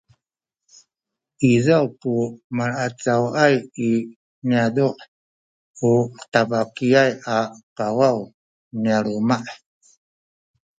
izaw ku malaacawaay i niyazu’ u tabakiyay a kawaw nya luma’